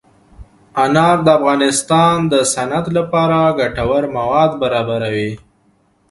انار د افغانستان د صنعت لپاره ګټور مواد برابروي.